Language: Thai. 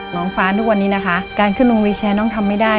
น้องฟ้าทุกวันนี้นะคะการขึ้นลงวิวแชร์น้องทำไม่ได้